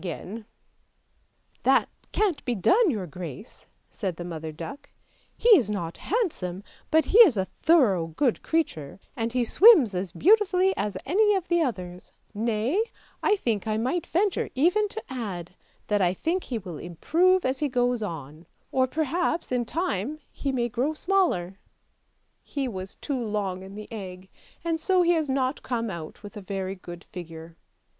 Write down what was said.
2B 3 86 ANDERSEN'S FAIRY TALES "That can't be done, your grace," said the mother duck; "he is not handsome, but he is a thorough good creature, and he swims as beautifully as any of the others; nay, I think I might venture even to add that I think he will improve as he goes on, or perhaps in time he may grow smaller! He was too long in the egg, and so he has not come out with a very good figure."